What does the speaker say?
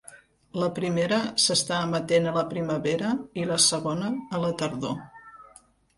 La primera s'està emetent a la primavera i la segona a la tardor.